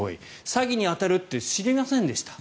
詐欺に当たるって知りませんでした。